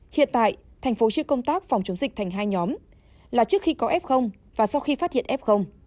hiện tại tp hcm phòng chống dịch thành hai nhóm là trước khi có f và sau khi phát hiện f